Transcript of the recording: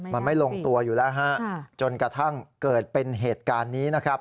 มันไม่ลงตัวอยู่แล้วฮะจนกระทั่งเกิดเป็นเหตุการณ์นี้นะครับ